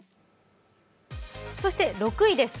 そして６位です。